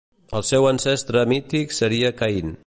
El seu ancestre mític seria Caín.